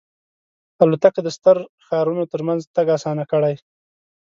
الوتکه د ستر ښارونو ترمنځ تګ آسان کړی.